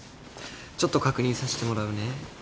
ちょっと確認させてもらうね。